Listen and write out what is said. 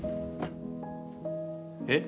えっ？